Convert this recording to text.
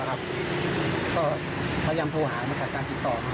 ก็พยายามโทรหามาจากการติดต่อ